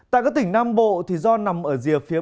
tại các tỉnh nam bộ do nằm ở rìa phía